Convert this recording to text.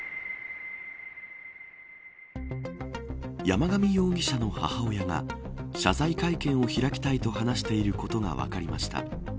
山上容疑者の母親が謝罪会見を開きたいと話していることが分かりました。